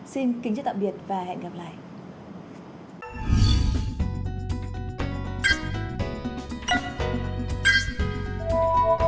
xin kính chúc tạm biệt và hẹn gặp lại